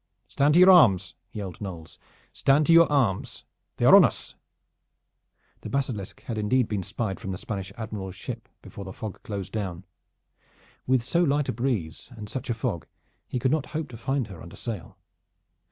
"Stand to your arms!" yelled Knolles. "Stand to your arms ! They are on us!" The Basilisk had indeed been spied from the Spanish Admiral's ship before the fog closed down. With so light a breeze, and such a fog, he could not hope to find her under sail.